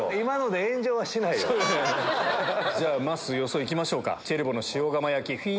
まっすー予想いきましょうか。